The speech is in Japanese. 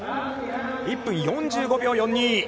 １分４５秒４２。